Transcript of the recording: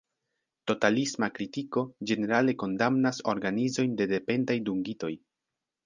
Totalisma kritiko ĝenerale kondamnas organizojn de dependaj dungitoj.